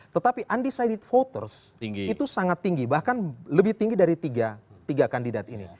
tetapi undecided voters itu sangat tinggi bahkan lebih tinggi dari tiga kandidat ini